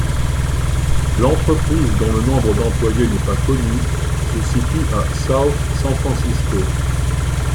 L'entreprise dont le nombre d'employés n'est pas connu se situe à South San Francisco.